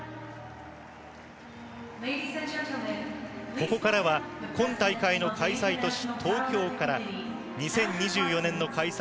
ここからは、今大会の開催都市・東京から２０２４年の開催